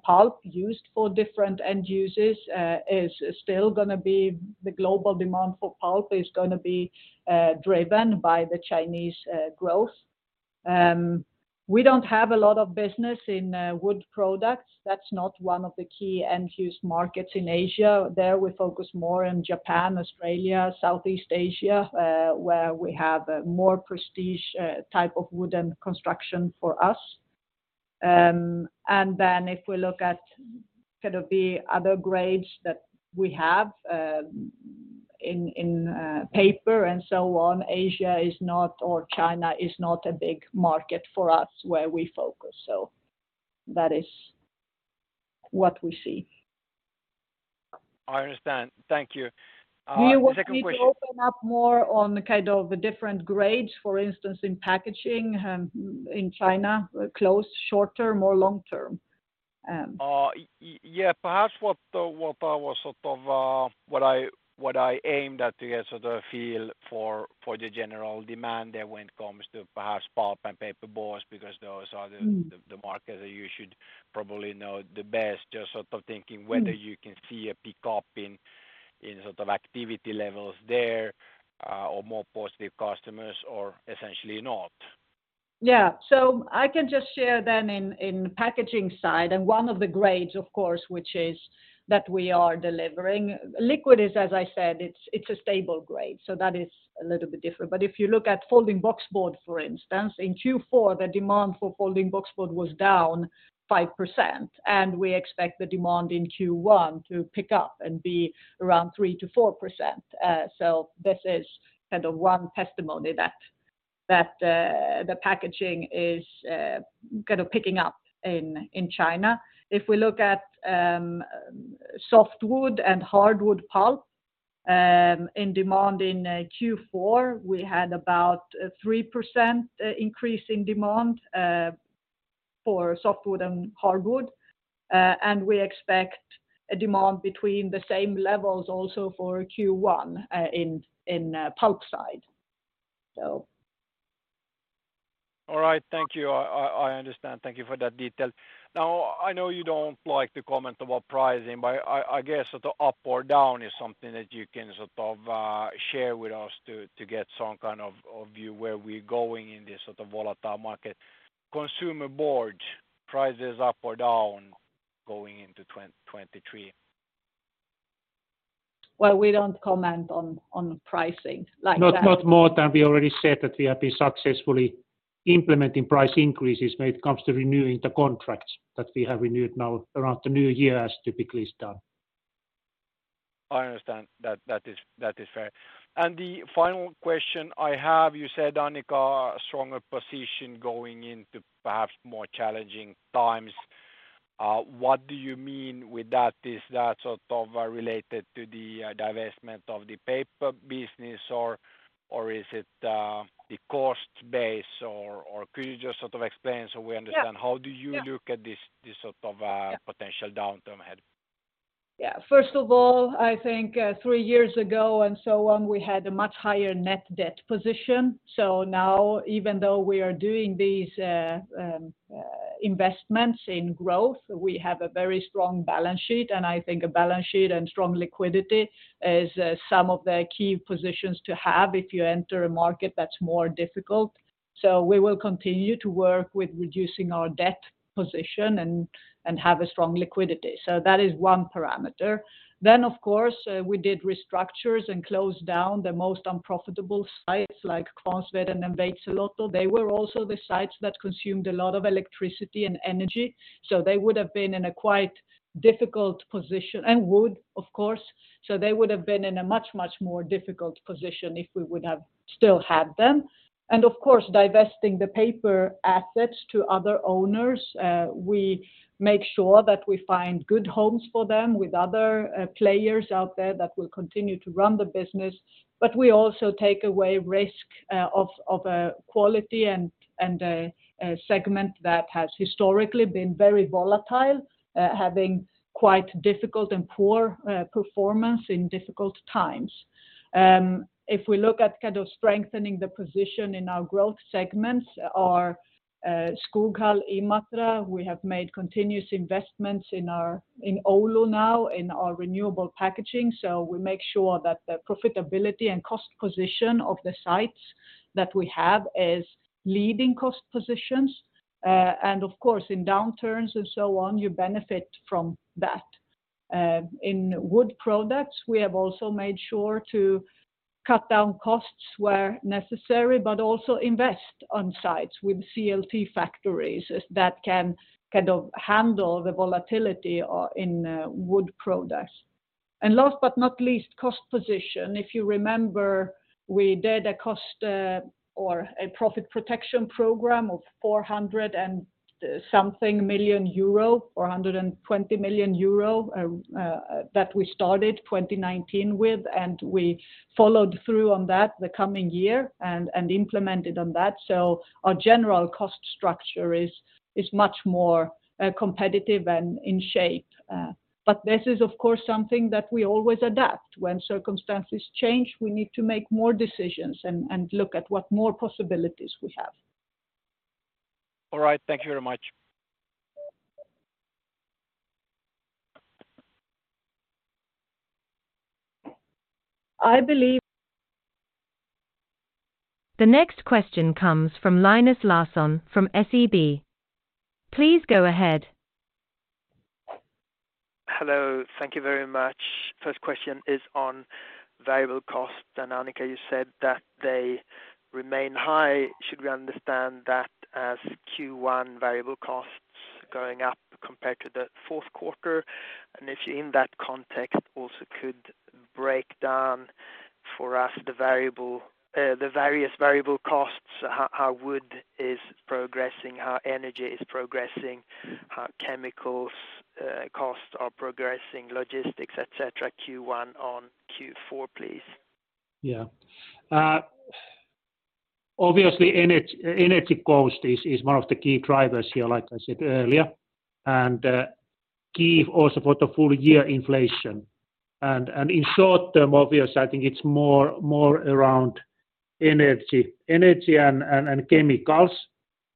Pulp used for different end uses is still going to be the global demand for pulp is going to be driven by the Chinese growth. We don't have a lot of business in Wood Products. That's not one of the key end use markets in Asia. There we focus more in Japan, Australia, Southeast Asia, where we have a more prestige, type of wooden construction for us. Then if we look at kind of the other grades that we have, in paper and so on, Asia is not or China is not a big market for us where we focus. That is what we see. I understand. Thank you. second question-. Do you want me to open up more on kind of the different grades, for instance, in packaging, in China, close, short term or long term? Yeah, perhaps what I was sort of, what I aimed at to get sort of a feel for the general demand there when it comes to perhaps pulp and paper boards, because those are- Mm-hmm -the market that you should probably know the best. Just sort of thinking. Mm-hmm... you can see a pickup in sort of activity levels there, or more positive customers or essentially not. I can just share in the packaging side, one of the grades of course, which is that we are delivering. Liquid is, as I said, it's a stable grade, that is a little bit different. If you look at folding boxboard, for instance, in Q4, the demand for folding boxboard was down 5%, we expect the demand in Q1 to pick up and be around 3%-4%. This is kind of one testimony that the packaging is kind of picking up in China. If we look at softwood and hardwood pulp, in demand in Q4, we had about a 3% increase in demand for softwood and hardwood. We expect a demand between the same levels also for Q1, in pulp side. All right. Thank you. I understand. Thank you for that detail. Now, I know you don't like to comment about pricing, but I guess sort of up or down is something that you can sort of share with us to get some kind of view where we're going in this sort of volatile market. Consumer board prices up or down going into 2023? Well, we don't comment on pricing like that. Not more than we already said that we have been successfully implementing price increases when it comes to renewing the contracts that we have renewed now around the new year, as typically is done. I understand. That is fair. The final question I have, you said, Annica, a stronger position going into perhaps more challenging times. What do you mean with that? Is that sort of related to the divestment of the Paper business, or is it the cost base or could you just sort of explain so we understand- Yeah. How do you look at this sort of? Yeah -potential downturn ahead? First of all, I think, three years ago and so on, we had a much higher net debt position. Now, even though we are doing these investments in growth, we have a very strong balance sheet. I think a balance sheet and strong liquidity is some of the key positions to have if you enter a market that's more difficult. We will continue to work with reducing our debt position and have a strong liquidity. That is one parameter. Of course, we did restructures and closed down the most unprofitable sites like Kvarnsveden and Veitsiluoto. They were also the sites that consumed a lot of electricity and energy, so they would have been in a quite difficult position... Wood, of course. They would have been in a much, much more difficult position if we would have still had them. Of course, divesting the paper assets to other owners, we make sure that we find good homes for them with other players out there that will continue to run the business. We also take away risk of a quality and a segment that has historically been very volatile, having quite difficult and poor performance in difficult times. If we look at kind of strengthening the position in our growth segments, our Skoghall, Imatra, we have made continuous investments in Oulu now, in our renewable packaging. We make sure that the profitability and cost position of the sites that we have is leading cost positions. Of course, in downturns and so on, you benefit from that. In Wood Products, we have also made sure to cut down costs where necessary, but also invest on sites with CLT factories that can kind of handle the volatility in Wood Products. Last but not least, cost position. If you remember, we did a cost or a profit protection program of 400-something million euro or 120 million euro that we started 2019 with, we followed through on that the coming year and implemented on that. Our general cost structure is much more competitive and in shape. This is of course something that we always adapt. When circumstances change, we need to make more decisions and look at what more possibilities we have. All right. Thank you very much. I believe... The next question comes from Linus Larsson from SEB. Please go ahead. Hello. Thank you very much. First question is on variable costs. Annica, you said that they remain high. Should we understand that as Q1 variable costs going up compared to the fourth quarter? If you, in that context, also could break down for us the various variable costs, how wood is progressing, how energy is progressing, how chemicals costs are progressing, logistics, et cetera, Q1 on Q4, please. Yeah. Obviously, energy cost is one of the key drivers here, like I said earlier, key also for the full year inflation. In short term, obvious, I think it's more around energy and chemicals.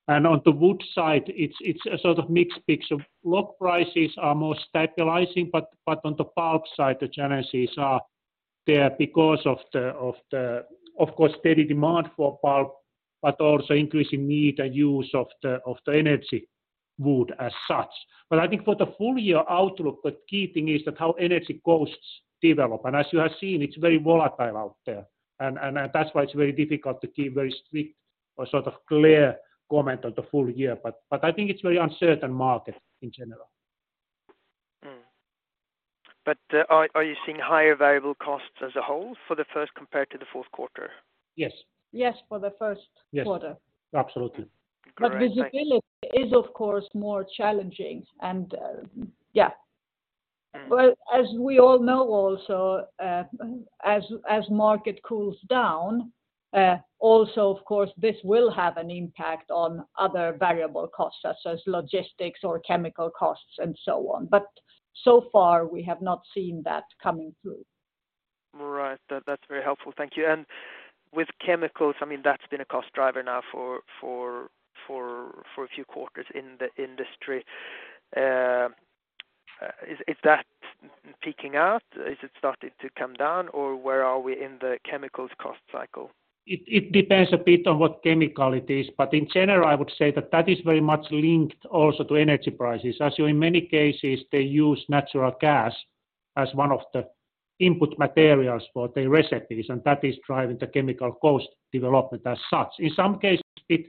On the wood side, it's a sort of mixed picture. Log prices are more stabilizing, but on the pulp side, the challenges are there because of course, steady demand for pulp, but also increasing need and use of the energy wood as such. I think for the full year outlook, the key thing is that how energy costs develop. As you have seen, it's very volatile out there. That's why it's very difficult to give very strict or sort of clear comment on the full year. I think it's very uncertain market in general. Are you seeing higher variable costs as a whole for the first compared to the fourth quarter? Yes. Yes, for the first quarter. Yes. Absolutely. Great. Thanks. Visibility is, of course, more challenging and, yeah. Well, as we all know also, as market cools down, also of course, this will have an impact on other variable costs, such as logistics or chemical costs and so on. So far, we have not seen that coming through. Right. That's very helpful. Thank you. With chemicals, I mean, that's been a cost driver now for a few quarters in the industry. Is that peaking out? Is it starting to come down, or where are we in the chemicals cost cycle? It depends a bit on what chemical it is, but in general, I would say that that is very much linked also to energy prices. As in many cases, they use natural gas as one of the input materials for their recipes, and that is driving the chemical cost development as such. In some cases, it's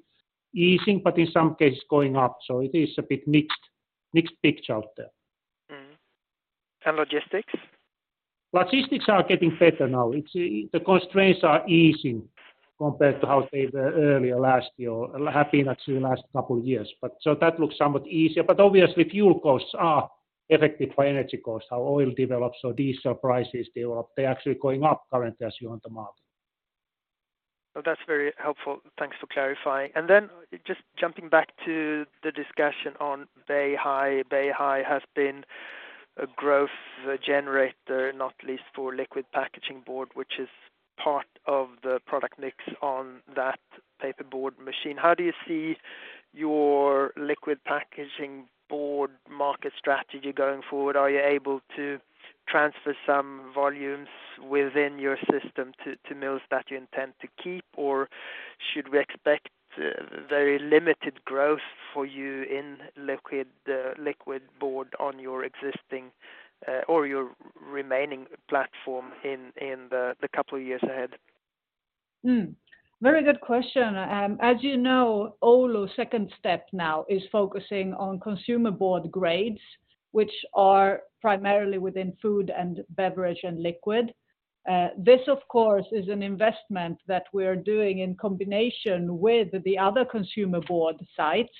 easing, but in some cases, going up, so it is a bit mixed picture out there. Mm-hmm. Logistics? Logistics are getting better now. The constraints are easing compared to how they were earlier last year or have been actually the last couple of years. That looks somewhat easier. Obviously, fuel costs are affected by energy costs, how oil develops or diesel prices develop. They're actually going up currently as you're on the market. That's very helpful. Thanks for clarifying. Then just jumping back to the discussion on Beihai. Beihai has been a growth generator, not least for liquid packaging board, which is part of the product mix on that paper board machine. How do you see your liquid packaging board market strategy going forward? Are you able to transfer some volumes within your system to mills that you intend to keep, or should we expect very limited growth for you in liquid board on your existing or your remaining platform in the couple of years ahead? Very good question. As you know, Oulu second step now is focusing on consumer board grades, which are primarily within food and beverage and liquid. This, of course, is an investment that we're doing in combination with the other consumer board sites.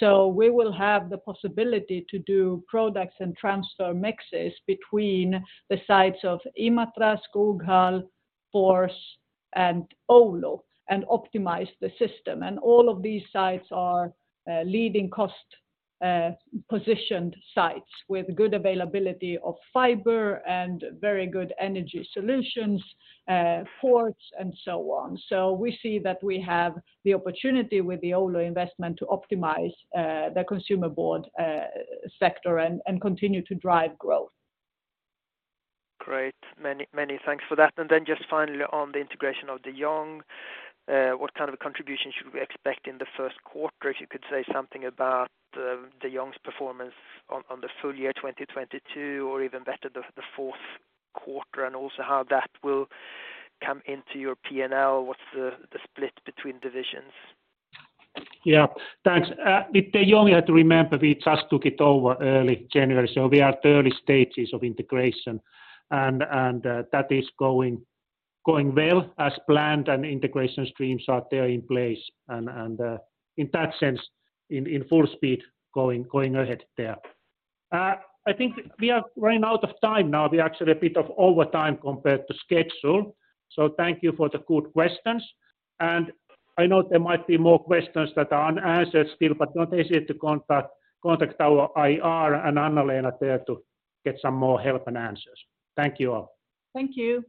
We will have the possibility to do products and transfer mixes between the sites of Imatra, Skoghall, Fors, and Oulu, and optimize the system. All of these sites are leading cost positioned sites with good availability of fiber and very good energy solutions, forts, and so on. We see that we have the opportunity with the Oulu investment to optimize the consumer board sector and continue to drive growth. Great. Many thanks for that. Then just finally on the integration of De Jong, what kind of a contribution should we expect in the first quarter? If you could say something about the De Jong's performance on the full year 2022, or even better, the fourth quarter, and also how that will come into your P&L. What's the split between divisions? Yeah. Thanks. With De Jong, you have to remember, we just took it over early January, so we are at early stages of integration. That is going well as planned, and integration streams are there in place. In that sense, in full speed going ahead there. I think we have run out of time now. We're actually a bit of overtime compared to schedule. Thank you for the good questions. I know there might be more questions that are unanswered still, don't hesitate to contact our IR and Anna-Lena there to get some more help and answers. Thank you all. Thank you.